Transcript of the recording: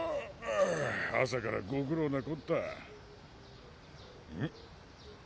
っ朝からご苦労なこったむっ？